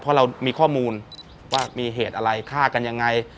เพราะเรามีข้อมูลว่ามีเหตุอะไรฆ่ากันยังไง